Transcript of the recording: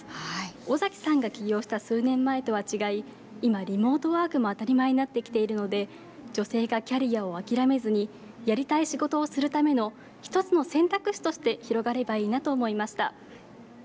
尾崎さんが起業した数年前とは違い、今、リモートワークも当たり前になってきているので女性がキャリアを諦めずにやりたい仕事をするための１つの選択肢として広がればいいなと思いました。